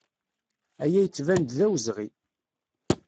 Aya yettban-d d awezɣi.